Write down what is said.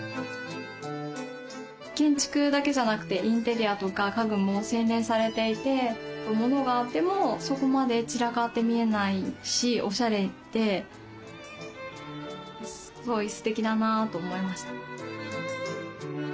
建築だけじゃなくてインテリアとか家具も洗練されていてモノがあってもそこまで散らかって見えないしおしゃれですごいすてきだなと思いました。